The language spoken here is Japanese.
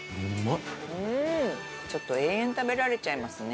ちょっと延々食べられちゃいますね。